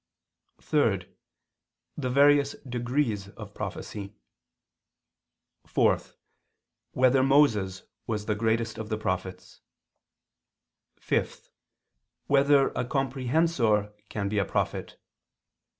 (3) The various degrees of prophecy; (4) Whether Moses was the greatest of the prophets? (5) Whether a comprehensor can be a prophet?